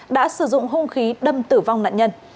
đã sử dụng hung khí đâm tử vong nạn nhân